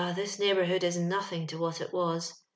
this neighbourhood is no thing to what it was.